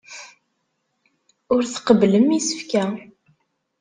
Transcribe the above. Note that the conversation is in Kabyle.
Ur tqebblem isefka.